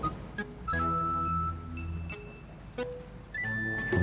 sudah waktu dan juhur